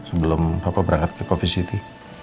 sebelum papa berangkat ke coffeesity